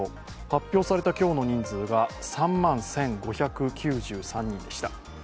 発表された今日の人数が３万１５９３人でした。